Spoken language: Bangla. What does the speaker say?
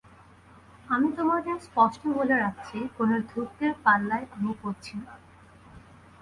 আমি তোমাদের স্পষ্ট বলে রাখছি, কোন ধূর্তের পাল্লায় আমি পড়ছি না।